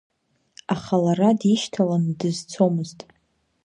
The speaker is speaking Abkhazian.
Аха лара дишьҭаланы дызцомызт.